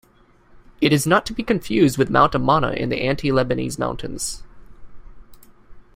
It is not to be confused with Mount Amana in the Anti-Lebanese Mountains.